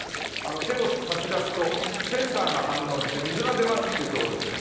「手を差し出すとセンサーが反応して水が出ます」っていうとこですよ。